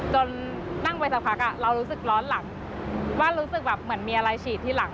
นั่งไปสักพักเรารู้สึกร้อนหลังว่ารู้สึกแบบเหมือนมีอะไรฉีดที่หลัง